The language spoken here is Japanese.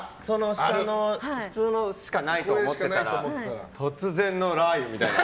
普通のしかないと思ってたら突然の雷雨みたいな。